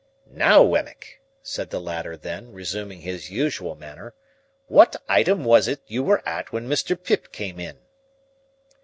"Now, Wemmick," said the latter then, resuming his usual manner, "what item was it you were at when Mr. Pip came in?"